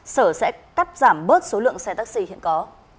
sở sẽ cắt giảm bớt số lượng xe taxi hiện có